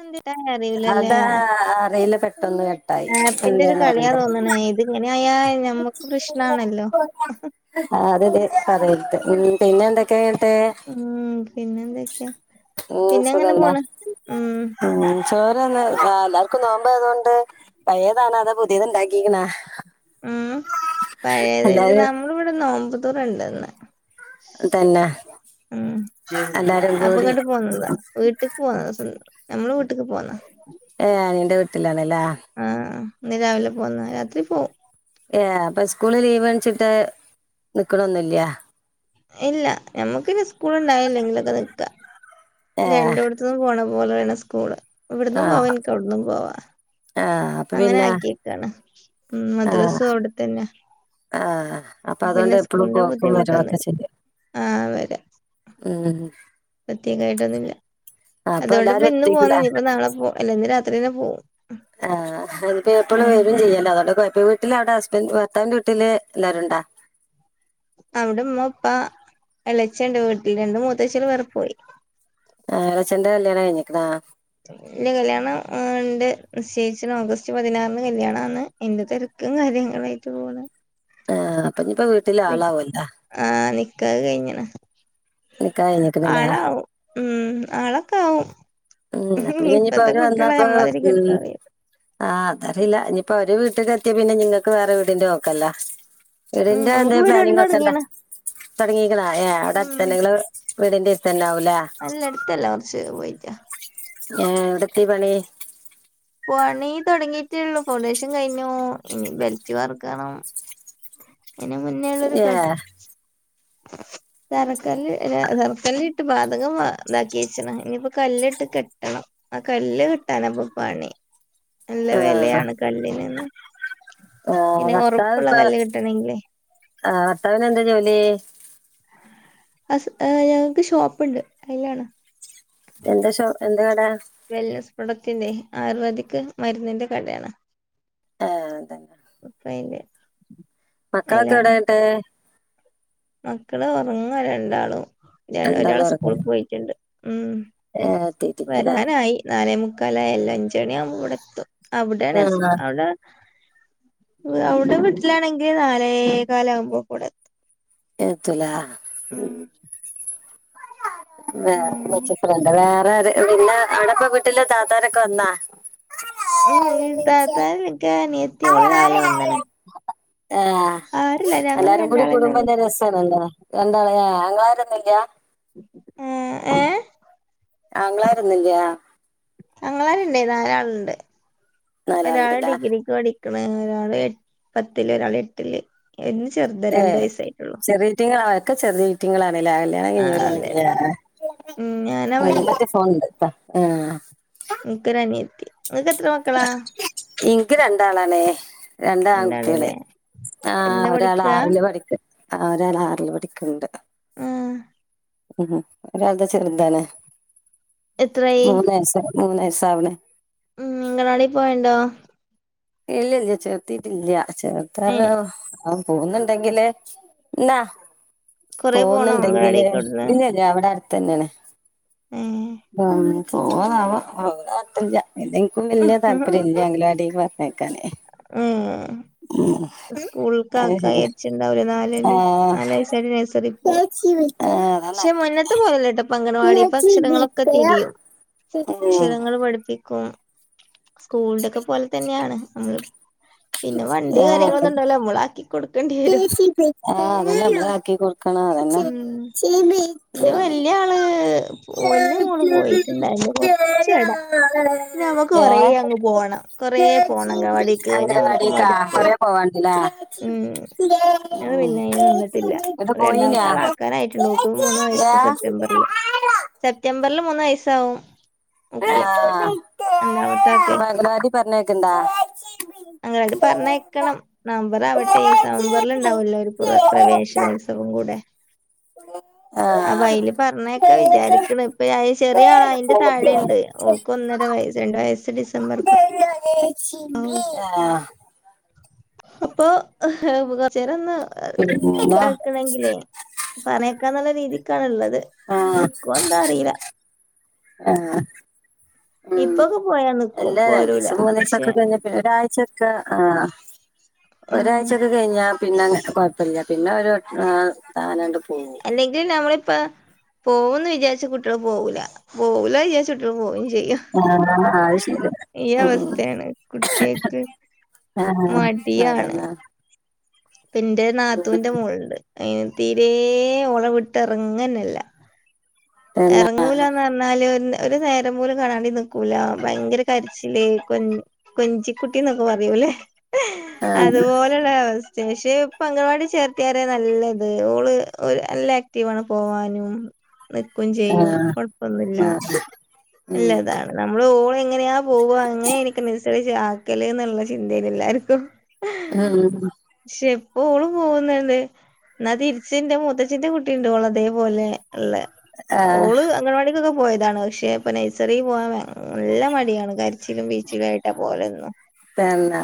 എന്തിനാ അറിയിലല്ലേ അതാ അറിയില്ല പെട്ടെന്ന് കട്ടായി ഏപിന്റെ ഒരു എന്തേന്ന് കളിയാ അറിയില്ല തോന്നണേ ഇ ത്ങ്ങനെയായ ഞമ്മക്ക് പ്രശ്നാണല്ലോ ആഹ് അതെതെ അതത്ത് പിന്നെ എന്തൊക്കെയേട്ടേ ഉം പിന്നെ എന്തൊക്കെയാ ഉം, പിന്നെ എങ്ങനെ പോണ് ഉം ചോരന്ന് ആഹ് എല്ലാർക്കും നോമ്പായതോണ്ട് പയേതാണൊ അത പുതിയത്ണ്ടാക്കിയിക്ക്ണോ ഉം പയേതല് എല്ലാരും നമ്മളവിടെ നോമ്പത്തൂറണ്ട്ന്ന് തന്നെ ഉം എല്ലാരും കൂടി അപ്പൊങ്ങട്ട് പോന്നതാ വീട്ടിക്ക് പോന്നത സൊ നമ്മള് വീട്ട്ക്ക് പോന്നാ ഏഹ് നിന്റെ വീട്ടിലാണല്ലേ ആഹ് ഇന്ന് രാവിലെ പോന്ന രാത്രി പോവും ഏഹ് അപ്പൊ സ്കൂള് ലീവ്ണിച്ചിട്ട് നിക്ക്ണൊന്നില്ല ഇല്ല ഞമ്മക്കിനി സ്കൂള് ഉണ്ടായില്ലെങ്കിലൊക്കെ നിക്കാ ഏ രണ്ടോട് ഇവി പോണ പോലെ വണ സ്കൂള് ഇവിടന്നും പോവാ എനിക്ക് അവിട്ന്നും പോവാ ആഹ് അങ്ങനെ ആക്കിക്കാണ് ഉം മദ്രസും അവിടെത്തന്നെ ആഹ അപ്പൊ അതുകൊണ്ട് എപ്പഴും പോക്കും വരു ഒക്കെ ചെയ്യാം ആഹ് ഉം പ്രത്യേകമായിട്ടൊന്നുമില്ല അപ്പൊ അതുകൊണ്ടിപ്പോ എല്ലാരും ഇന്ന് പോന്ന ഒറ്റയ്ക്കില്ല ഇനിയിപ്പോ നാളെ പോ അല്ല ഇന്ന് രാത്രി തന്നെ പോകും ആ് അതിപ്പോ എപ്പോഴും വെരും ചെയ്യാലോ അതോണ്ട് കോഴപ്പ വീട്ടിൽ അവിടെ ഹസ്ബൻ് ഭർത്താവിന്റെ വീട്ടില് എല്ലാരും ഉണ്ടോ അവിടെ ഉമ്മ ഉപ്പാ എളച്ചൻണ്ട് വീട്ടില് രണ്ട് മൂത്തച്ചി അള് വേറെ പോയി ആഹ് എളച്ചെന്റെ കല്യാണം കഴിഞ്ഞിക്ക്ണാ ഇല്യാ കല്യാണം ഉണ്ട് നിശ്ചയിച്ചിണ് ഓഗസ്റ്റ് പതിനാറിന് കല്യാണാണ് അയ്ന്റെ തിരക്കും കാര്യങ്ങളായിട്ട് പോണ് ആഹ് അപ്പൊ ഇനിയിപ്പോ വീട്ടില് ആളാവൊ ല്ലാ ആഹ് നിക്കാഹ് കഴിഞ്ഞ്ണ് നിക്കാ കഴിഞ്ഞിക്കണല്ലേ ആളാവും ഉം ആളൊക്കെ ആവും ഉം അപ്പൊ പിന്നെ ഇനിയിപ്പോ ഇപ്പത്തെ അവര് കുട്ടികളെ വന്നാപ്പ നമ്മളതിരി ഉം കെട്ടോ അറിയോ ആ അതറില്ല ഇനിയിപ്പൊ അവര് വീട്ടില് എത്തിയ പിന്നെ നിങ്ങൾക്ക് വേറെ വീടിന്റെ നോക്കാല്ലോ ഉം വീടിന്റെ നമുക്ക് എന്തേ വീട് പണി പ്ലാനിങ്ങ ഒക്കെ ഇണ്ടാ തൊടങ്ങീണ് തുടങ്ങീക്ക്ണോ ഏ അവിടെ അടുത്ത ഉം തന്നെ ഇങ്ങള് വീടിന്റെ അടുത്തന്നെ ആവു അല്ല അടുത്തല്ല കുറച്ച് പോയിറ്റാ ഏ എവിടെത്തി പണി പണി തുടങ്ങിയിട്ടേള്ളു ഫൗണ്ടേഷൻ കഴിഞ്ഞു ഇനി ബെൽറ്റ് വാർക്കണം ഇന് മുന്നേുള്ളൊരു ഏ ക ആ തറക്കല്ല തറക്കല്ല് ഇട്ട് പാദകം ഇതാക്കി വച്ചണ് ഇനിപ്പോ കല്ല് ഇട്ട് കെട്ടണം ആ കല്ല് കിട്ടാന ഇപ്പൊ പണി നല്ല വിലയാണ് കല്ലിനന്ന് ആ പിന്നെ ഭർത്താവ് ഉറപ്പുള്ള ഇപ്പൊ കല്ല് കിട്ടണങ്കില് ആ ഭർത്താവിന എന്താ ജോലി അ ഞങ്ങൾക്ക് ഷോപ്പ് ഉണ്ട് അയ്ലാണ് എന്താ ഷോ എന്താ കടാ വെൽനെസ് പ്രൊഡക്ടിന്റെ ആയുർവേദിക് മരുന്നിന്റെ കടയാണ് ആഹ് അതന്നെ [unintelligible] മക്കളൊക്കെ എവിടെ അയിലാണ് എന്നിട്ട് മക്കള് ഉറങ്ങാ രണ്ടാളും ഒരാള് രണ്ടാളുവർക്ക് സ്കൂളിൽ പോയിട്ടുണ്ട് ഉം എത്തിയിട്ടില്ലടാ വരാനായി നാലേ മുക്കാലായി എല്ല അഞ്ചണിയ ആവുമ്പോ ഇവിടെ എത്തും അവിടേണ് ആ അവിടെ അവിടെ വീട്ടിലാണെങ്കിൽ നാലേ കാല ആകുമ്പോ കൂടെ ഏത്തും ലേ ഉം വ ഉം വച്ച ഫ്രണ്ട് വേറെ പിന്നെ അവിടപ്പ വീട്ടിലെ താത്താ രൊക്കെ വന്നാ ഉം ഇ താത്താരില്ല എനിക്ക നിയത്തിയുള്ളൂ ഓള് രാവിലെ വന്ന്ണ് ആഹ് ആരുല്ല ഞങ്ങള് എല്ലാരും കൂടി രണ്ടാളന്നെ ഒള്ളു കൂടുമ്പോന്നെ രസാ ആണല്ലോ എന്താ പറയാ ആങ്ങളാരൊന്നും ഇല്ല ആ ഏ ആങ്ങളാരൊന്നു ഇല്ല ആങ്ങളാരുണ്ട് നാല പറആളുണ്ട് ഒരാള് നാലാളുണ്ടല്ലേ ഡിഗ്രിക്ക് പഓടി ക്ക് ഒരാള് എ പത്തിൽ ഒരാള് എട്ടില് എന്ന് ചെറഞ്ഞ റിയകയ ആക്കെ ചെറിയ ചീറ്റിങ്ങളാണല്ലല്ല ആഹ് അതെ അതെ ഉം ഞാനാ വലുത് [unintelligible] ഫോൺ ഇത്ത ആഹ എനിക്കൊരെനിയത്തി നിനക്ക് എത്ര മക്കളാ എനിക്ക് രണ്ടാളാണേ രണ്ടാൺകുട്ടികള് രണ്ടാള്ല്ലേ ആ എന്താ ഒരാള് പഠിക്കാ ആറില് പഠിക്ക ഒരാള് ആറിലപടിക്കുണ്ട് ആഹ് ഉ ഒരാളുടെ ചെറുതനെ എത്രായി മൂന്നയസ മൂന്നയസ ആവണെ ഉം അംഗനവാടി പോയേണ്ടോ ഇല്ല ഇല്ല ചേർത്തിട്ടില്ല ചേർത്ത ഏഹ് പോന്നുണ്ടെങ്കില് ന്നാ കൊറേ പോണോ പോന്നുണ്ടെങ്കില് അംഗനവാടിക്ക് അവിടുന്ന് പിന്നെ അല്ല അവിടെ അടുത്തന്നെയാണ് ഏഹ് ആ പോവാ ആവോ മാത്രല്ല ഇതെനക്ക് വലയ താല്പര്യം ഇല്ല അങ്കിലവാടി പറ അയക്കാൻ ഹമ് സ്കൂൾക്ക അത് ആക്ക ശരിയാ വിചരിച്ചിണ്ടാവില്ല നാല ആഹ് നാല വയസായിട്ട് നഴ്സറി പോവോ ആഹ് അതാ പക്ഷെ നല്ലത് മുന്നത്ത് പോലല്ല കേട്ടോ അങ്കണവാടി ഉം അക്ഷരങ്ങളൊക്കെ ആഹ് തിരിയും അക്ഷരങ്ങൾ പഠിപ്പിക്കും സ്കൂളിന്റെ ഒക്കെ പോലെ തന്നെയാണ് നമ്മള് പിന്നെ വണ്ടി കാര്യങ്ങളൊന്നും ഉണ്ടാവല്ലോ നമ്മള ആക്കി കൊടുക്കണ്ടേരിം ആ അതന്നെ ഞമ്മൾ ആക്കി കൊടുക്കണം അതന്നെ ഉം പിന്നെ വല് ആള് വല് മോന് പോയിട്ടുണ്ടായിന്റെ കൊറച്ച ഇടാ അവക്ക് കൊറേ ഏഹ് അങ്ങ് പോണം കൊറേ പോണം അംഗൻവാടിക്ക് പിന്നെ നമ്മുക്ക് അംഗനവാടിക്കാ മടുത്തു പോയി കൊറേ പോവാണ്ടല്ലേ ഉം പിന്നെ അയിനിന്നിട്ടില്ല എന്നിട്ട് രണ്ടാമത്തെ പോയിനാ ആൾ ഏ ആക്കാനായിട്ട്ഒള്ളു ഓൾക്കും മൂന്ന വയസ്സ് ആഹ് സെപ്റ്റംബർ അല്ലെ സെപ്റ്റംബറിൽ മൂന്ന് വയസ ആവും ഓക്കെ രണ്ടാമത്ത ഒക്കെ പറഞ്ഞ കേക്കണ്ടാ അങ്ങട്ട് പറഞ്ഞക്കണം നവമ്പർ ആവട്ടെ നവമ്പറിൽ ഉണ്ടാവൂല്ലോ ഒരുക് പ്രവേശനോത്സവം കൂടെ അഹ് ആപ്പോഅയിൽ പറഞ്ഞൊയക്കാ വിചാരിക്കണ ഇപ്പ ചെറിയ ആള അതിന്റെ താഴെണ്ട് ഓൾക്ക് ഒന്നര വയസ് രണ്ടു വയസ് ഡിസംബർ അഹ് അപ്പൊ ഉ കൊറച്ചേചരൊന്ന് പിന്നെ നക്കണെങ്കിലേ പറയേക്കാന്നുള്ള രീതിക്കാണ് ഉള്ളത് നിക്കുവോ എന്താ അറിയില്ല ആ ഉ ഇപ്പൊക്കെ പോയാ നിക്കും പോരൂല എല്ലാരാണ്ടസൊ പക്ഷെ മൂന്നിസക്കെ കഴി ഒരാഴ്ചക്കെ ആ ഉം ഒരാഴ്ചക്കെ കഴിഞ്ഞ പിന്നെ കുഴപ്പില്ല പിന്നെ ഒരു സാനണ്ട് പോകും അല്ലെങ്കിൽ നമ്മളിപ്പ പോകന്ന് വിചാരിച്ചു കുട്ടികൾ പോകില്ല പോകൂല വിചാരിച്ച കുട്ടികൾക്ക് പോക ചെയ്യ ആഹ് അത് ശരിയാ ഈ ഉം അവസ്ഥയാണ് കുട്ടികക്ക് ആഹ് മടിയാണ് അതന്നെ എന്റെ നാത്തുവിന്റെ മോളുണ്ട് അന് തീരെ ഓളെ വിട്ട് ഇറങ്ങനല്ല പിന്നെ ആഹ് എറങ്ങൂലാണ് ന്നാല് ഒരു നേരം പോലും കാണാണ്ടിനിക്കൂല ഭയങ്കര കരച്ചില് കൊ കൊഞ്ചിക്കുട്ടിന്നൊക്കെ പറയൂല്ലേ ആഹ് അതുപോലെ അവസ്ഥ പക്ഷെ അംഗൻവാടി ചേർത്തിയ നല്ലത് ഓള് അല്ല ആക്റ്റീവ്ആണ് പോവാനും നിക്കും ചെയ്യും കുഴപ്പൊന്നുമില്ല ആഹ് ഉം നല്ലതാണ് നമ്മള് ഓള എങ്ങനെയാ പോവ അങ്ങനെ എനിക്ക് നിസ്സരിച്ച് ആക്കല് എന്നുള്ള ചിന്തൽ എല്ലാർക്കും ഉഹ് ആഹ പക്ഷെ ഇപ്പൊ ഓള് പോകുന്നണ്ട് ഇന്നാ തിര്ച്ച് ഇന്റെ മൂത്തച്ചിൻ്റെ കുട്ടി ഇണ്ട് ഓളെ അതേപോലെ ഇള്ള ആഹ് ഓള് അംഗൻവാടീക്കൊക്കെ പോയതാണ്. പക്ഷെ ഇപ്പൊ നൈസറിൽ പോകാൻ നല്ല മടി ആണ് കാര്യത്തി ച്ചിലും പ്പീച്ചിലും ആയിട്ടാ പോവലെന്നും തന്നെ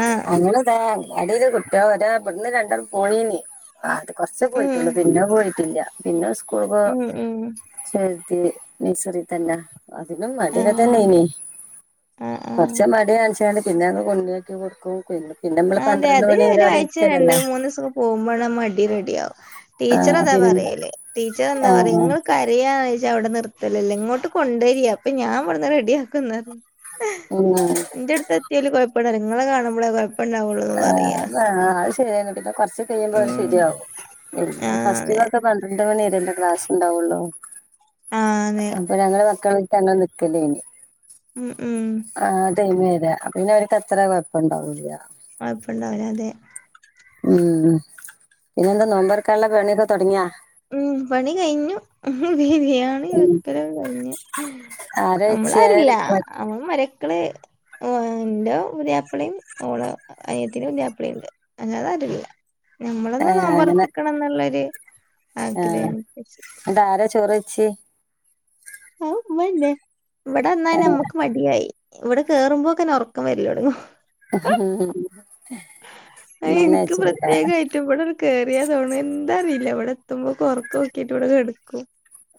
ആഹ് അങ്ങനെതാ അടിലുക്കെ ഇത വത ഇബടന്ന് രണ്ടാളും പോയിനി ആ അത് കൊറ്ച്ചു ഉം പോയിട്ടൊള്ളു പിന്നെ പോയിട്ടില്ല പിന്നെ സ്കൂള്പ ഉം ഉം ചേർത്തി നഴ്സറി തന്നെ അതിനും മടി ആഹ് ഒക്കെത്തേനി ആഹ് ആഹ് കൊറ്ച്ച്. മടിയ. പിന്നെ അങ് കൊണ്ടയാക്കി കൊട്ക്കും. പിന്നെ നമ്മള് പന്ത്രണ്ട് മണിവ രെ അവിടെ ഇര്ത്തന്നെല്ലേ പോകുമ്പെള്ള മടി റെഡിയാവും. ടീച്ചർ ആഹ് അതാ പിന്നെ പറയല് ടീച്ചർ എന്താ പറ്യ ആഹ് ഇങ്ങള്. കരയാന്ന്ച്ചാ അവിടെ നിർത്തലല്ലെ. ഇങ്ങോട്ട് കൊണ്ടെരി. അപ്പൊ ഞാൻ ഇവിട്ന്ന് റെഡിയാക്കുന്ന ഇന്നെ ഇന്റെ എട്ത്ത് എത്തിയാല് കൊഴപ്പണ്ടാ വുല ഇങ്ങളെ കാണുമ്പള കാഴപ്പ ഇണ്ടാവോ ആ അത് ശരിയാണ് പിന്നെ കൊറ്ച്ച് കഴിയുമ്പോ അത് ഉം ശെരിയാവും എഹ് ആഹ് ഫസ്റ്റ് അതെ കൊർക്കെ പന്ത്രണ്ട് മണി വരെ ല്ലേ ക്ലാസ് ഇണ്ടാവൊള്ളു. ആഹ് അതെ അപ്പൊ ഞങ്ങള് മക്കളെ ര്ത്തങ്ങെനെ നിക്കല്ലേന്യാെ. ഉം ഉം ആഹ് അടൈമ വരാ അപ്പ പിന്നെ അവർക്ക്ത്ര കൊഴപ്പം ഇണ്ടാവൂല്ല ഇങ്ങളെപ്പണ്ടാവുല്ല അതെ ഉം പിന്നെ എന്താ നൊമ്പർക്കാല്ല പണ്യാെക്കൊ തൊടങ്ങ്യാെ. ഉം പണി കഴിഞ്ഞു. ബിരിയാണി വെക്കലും കഴിഞ്ഞു. ആരാ വെച്ച് അമ്മളരാരുല്ല ആരാ അവ മരക്കള് ഓ ഇന്റെ പുതിയാപ്ലിം ഓളെ അനി യ്യത്തിന്റെ പുതിയാപ്ലി ഇണ്ട്. അല്ലാതെ ആരുല്ല നമ്മളൊന്ന് ഏഹ് അങ്ങനെ നൊമ്പർപ്പിക്കണം എന്നുള്ളൊരു ആഗ്രഹം [unintelligible] ഇന്നട്ടാരെ ചോറെച്ചി ആഹ് ഉമ്മെന്നെ ഇവട വന്നാ ഞമ്മക്ക് മട് യായി ഇവടെ കേറുമ്പോക്ക്നെ ഒറക്കം വര്ല്ലോടങ്ങും. [inaudible] ആഹ് ഉമ്മന്നെ ഇൻക്ക് വെച്ച് പ്രത്യേകായ്റ്റു ഇവട [unintelligible] കേയറിയാതോണ് എന്തറിയില്ല ഇവിടെ എത്തുമ്പോക്കു ഒറക്കോക്കീട്ട് ഇവടെ കെടക്കും.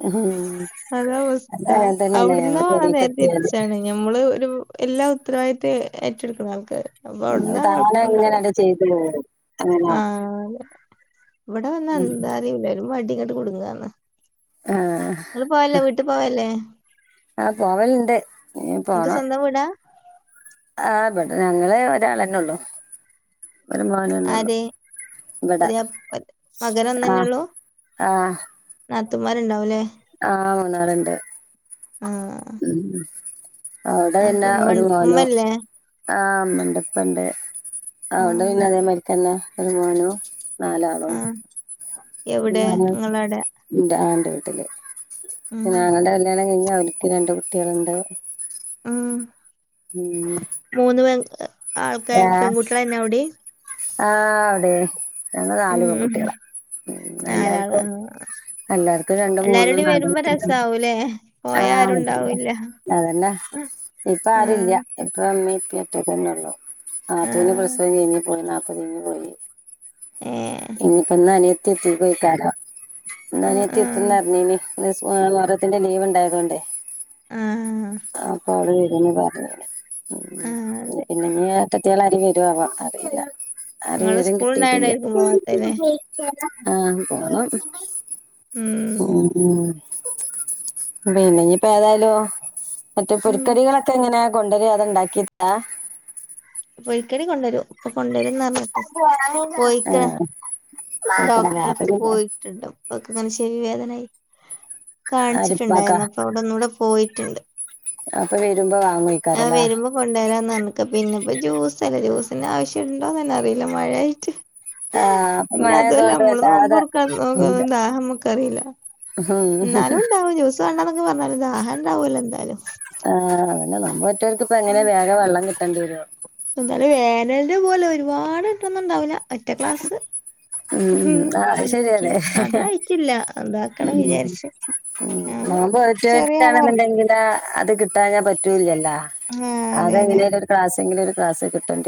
ഉം അതാ അത് അവസ്ത അങ്ങനെ തന്നെയാണ് അവിട്ന്ന് ഞങ്ങള് ഓളെ പെരേക്ക് നേരെ എത്തിയാല് തിരിച്ചാണ്. ഞമ്മള് ഒരു എല്ലാ ഉത്തരവാദിത്തം ഏറ്റെടുക്ക്ണ ആൾക്കാര്. അപ്പൊ അഹ് അവിടുന്ന് താന അങ്ങനേണ്ട് ചെയ്തു പോവും ആ ഇവടെ വന്ന എന്താ അറിയൂല ഒരു മടിങ്ങട്ട് കുടുങ്ങാന്ന്. ആഹ് പോവല്ലെ വീട്ട്പോവല്ലേ ആ പോവല് ഇണ്ട് ഇഞ് പോണം. വ്ട ആഹ് ബെടെ ഞങ്ങള് ഒരാളെന്നൊള്ളു. ഒരു മോനെന്നൊള്ളു. ആര് ഇവെട പുതിയ മകൻ ആഹ് ആഹ് നാത്തൂന്മാര് ഇണ്ടാവു ല്ലേ ആഹ് മൂന്നാള്ണ്ട് ഉം ഉം അവ്ടെ പിന്നെ ഉമ്മ ഒരു മോനു ഉമ്മല്ലേ ആഹ് ഇമ്മണ്ട് ഇപ്പണ്ട് ഔടെ ആഹ് പിന്നെ അതേമാരിക്കന്നെ ഒരു മോനു നാലാളു ആഹ് എവിടെ നിങ്ങളടെ [unintelligible] ഇന്റ ആന്റെ വീട്ടില്. ഉം പിന്നെ ആങ്ങൾ ന്റെ കല്യാണം കഴിഞ്ഞ് അവർക്ക് രണ്ട് കുട്ട്യേള്ണ്ട്. ഉം ഉം മൂന്ന് പെ ആൾക്കാ ആ പെൺകുട്ട്യെ ളെന്നെ ഔടിം ആഹ് ഔടെ ഞങ്ങ ള് നാല് പെൺകുട്ട്യേളാ. നാലാ ആഹ് എല്ലാർക്കും രണ്ടും മൂന്നും എല്ലാരുടയും നാലും വരുമ്പോ രസാവൂലേ പോയ ആഹ് ആരുണ്ടാവൂല്ല അതന്നെ ഇപ്പ ആരുല്ല ആഹ് പ്പോ ഇപ്പി ഇമ്മീ ഒറ്റൊക്കന്നെ ഉള്ളൂ നാതൂനെ ആഹ് പ്രസവം കയ്ഞ് പോയി നാൽപ്പത് കഴിഞ് പോയി ഉം ഇനിയിപ്പ ഇന്നനിയത്തി എത്തുവെക്കാരം ആഹ് ഇന്നാനിയത്തി ആഹ് എതുന്നറിഞ്ഞിനി [unintelligible] മുഹറത്തിന്റെ ലീവ് ഉണ്ടായതൊണ്ട് ആഹ് ആ പറ ആഹ് അതെ പിന്നെ നീ [unintelligible] എട്ടത്തിയാൾ അരി വരാവാ അറിയില്ല ആരിം വിവരും കിട്ടിയിട്ടില്ല പൊവത്തെല്ല ആഹ് പോ ഉം ഉം ഉം പിന്നെപ്പോ ഏതായാലും മറ്റേ ഉം പുരിക്കടികളൊക്കെ ഒക്ക ഇങ്ങനെ കൊണ്ടുവരിയാ അതെ ഉണ്ടാക്കിയിട്ടാ പൊരിക്കടി കൊണ്ടുവരും ഇപ്പൊ കൊണ്ടുവരുന്നർഞ് പോയിക്കണ ആഹ് കൊഴപ്പല്ല അപ്പൊ ഡോക്ടറെടുത്ത് പിന്നെ പോയി ഇപ്പൊക്കെങ്ങന ശരി വേദനയ ആരിപ്പാക്കാ കാണിച്ചിട്ടുണ്ടായിരുന്നു അപ്പൊ അവിടെ ഒന്ന കൂടെ പോയിട്ടുണ്ട് അപ്പൊ വരുമ്പോ വാങ്ങോ ആഹ് വരുമ്പോ കൊണ്ടുവരാന്നഞ്ഞക്ക പിന്നെ ഇപ്പ ജ്യൂസ അല്ലേ ജ്യൂസിന് ആവശ്യണ്ടോന്ന് തന്നെ അറിയില്ല മഴയായിട്ട് ആഹ് അപ്പൊ പിന്നെ അതല്ല മഴയായതുകൊണ്ട് നമ്മള് വല്ലാതെ ഉം നോമ്പറക്കന്താ [unintelligible] റില്ല എന്നാലും ഉണ്ടാവും ജൂസ വണ്ടന്നൊക്കെ പറഞ്ഞാല ദാഹാരംണ്ടാവുല്ലോ എന്തായാലും പിന്ന നമ്മ ഒറ്റവർക്ക് ഇപ്പോ എങ്ങനെ വേഗ വെള്ളം കിട്ടണ്ടി വരോ എന്താലും വേനൽന്റെ പോലെ ഒരുപാട് കിട്ടന്നുണ്ടാവില്ല ഒറ്റ ക്ലാസ് ഉം ആ അത് എന്താക്കി ശരിയതെ അതായിട്ടില്ല എതാക്കണം വിചാരിച്ചു ഉം നോമ്പ് നോറ്റോൾക്കാ ആളെ ണെന്നുണ്ടെങ്കില് അത് കിട്ടാ ഞാൻ പറ്റൂല്ലല്ലോ ആ അതെ അതെ അതെങ്ങനെല ക്ലാസ്സെങ്കിലും ഒരു ക്ലാസ് കിട്ടണ്ട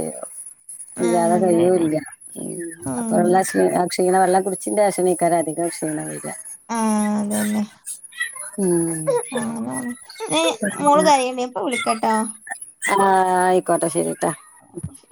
ആ അല്ലാതെ അതെ അതെ കഴിയുല്ല ഉം അപ്പൊ വള്ള ക്ഷീ ക്ഷീണ വെള്ളം കുടിച്ചിന്റെ ശേക്കാരെ അധികം ക്ഷീണം വരാ ആ അതന്നെ ഉം [unintelligible] മോള് കാര്യണ്ടപ്പ വിളിക്കാട്ടോ ആഹ് ആയിക്കോട്ടാ ശരിട്ടാ അ [unintelligible]